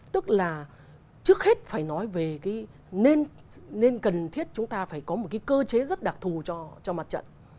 tức là trước hết phải nói về cái nên cần thiết chúng ta phải có một cái cơ chế rất đặc thù cho mặt trận